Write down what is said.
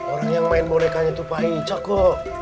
orang yang main bonekanya tuh pak wicak kok